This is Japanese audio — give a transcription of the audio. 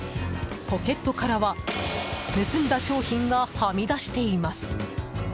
ポケットからは盗んだ商品がはみ出しています。